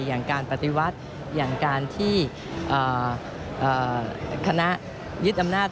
อย่างการปฏิวัติอย่างการที่คณะยึดอำนาจ